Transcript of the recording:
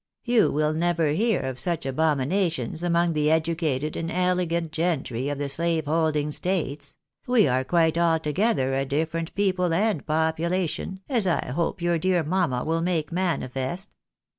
You will never hear of such abomina tions among the educated and elegant gentry of the slave holding states — we are quite altogether a different people and population, as I hope your dear mamma will make manifest.